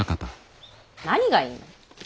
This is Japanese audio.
何がいいの。